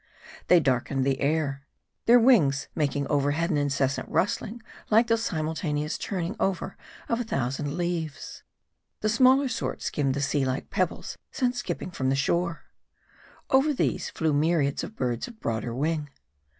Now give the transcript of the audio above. They darkened the air ; their wings making overhead an inces sant rustling like the simultaneous turning over of ten thou sand leaves. The smaller sort skimmed the sea like peb bles sent skipping from the shore. Over these, flew myriads of birds of broader wing.